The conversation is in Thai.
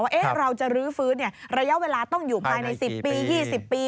ว่าเราจะรื้อฟื้นระยะเวลาต้องอยู่ภายใน๑๐ปี๒๐ปี